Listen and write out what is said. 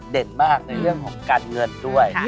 มากในเรื่องของการเงินด้วย